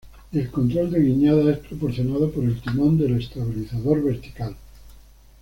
Y el control de guiñada es proporcionado por el timón del estabilizador vertical.